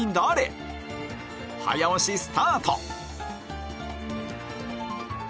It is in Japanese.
早押しスタート！